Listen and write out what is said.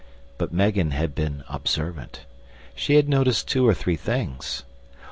But Megan had been observant. She had noticed two or three things.